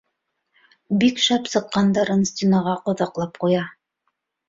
Бик шәп сыҡҡандарын стенаға ҡаҙаҡлап ҡуя.